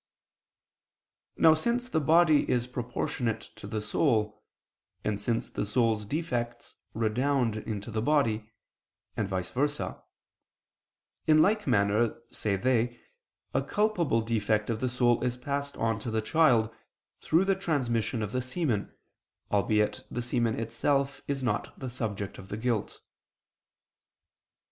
Now since the body is proportionate to the soul, and since the soul's defects redound into the body, and vice versa, in like manner, say they, a culpable defect of the soul is passed on to the child, through the transmission of the semen, albeit the semen itself is not the subject of the guilt.